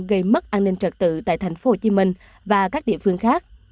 gây mất an ninh trật tự tại tp hcm và các địa phương khác